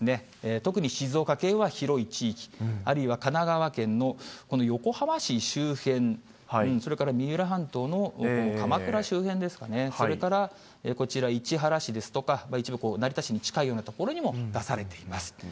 特に、静岡県は広い地域、あるいは神奈川県のこの横浜市周辺、それから三浦半島の鎌倉周辺ですかね、それからこちら、市原市ですとか、一部、成田市に近いような所にも出されています。